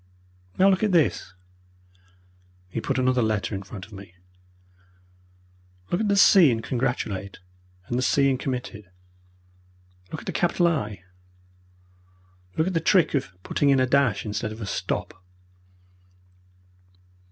"Now, look at this!" He put another letter in front of me. "Look at the c in 'congratulate' and the c in 'committed.' Look at the capital I. Look at the trick of putting in a dash instead of a stop!"